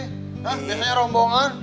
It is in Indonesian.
kan biasanya rombongan